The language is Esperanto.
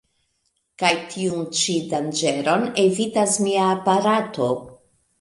Kaj tiun ĉi danĝeron evitas mia aparato.